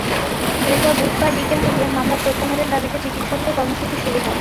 এরপর বুধবার বিকেল থেকে মামলা প্রত্যাহারের দাবিতে চিকিৎসকদের কর্মসূচি শুরু হয়।